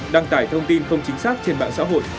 đăng tải thông tin không chính xác trên mạng xã hội